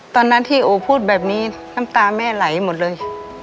ตอนนั้นที่โอพูดแบบนี้น้ำตาแม่ไหลหมดเลย